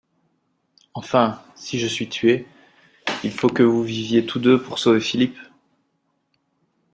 Enfin, si je suis tué, il faut que vous viviez tous deux pour sauver Philippe.